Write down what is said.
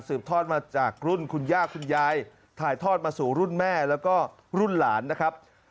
ทอดมาจากรุ่นคุณย่าคุณยายถ่ายทอดมาสู่รุ่นแม่แล้วก็รุ่นหลานนะครับ